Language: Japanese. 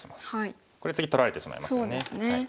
これ次取られてしまいますよね。